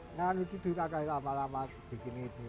nanti tiduran lagi lama lama bikin ini pak